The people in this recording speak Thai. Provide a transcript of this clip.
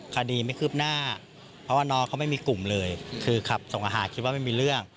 คดีไม่คืบหน้าเพราะว่าน้องเขาไม่มีกลุ่มเลยคือขับส่งอาหารคิดว่าไม่มีเรื่อง